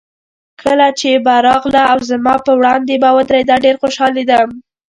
کله چې به راغله او زما په وړاندې به ودرېده، ډېر خوشحالېدم.